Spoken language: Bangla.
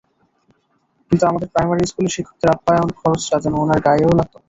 কিন্তু আমাদের প্রাইমারি স্কুলের শিক্ষকদের আপ্যায়ন খরচটা যেন ওনার গায়েও লাগত না।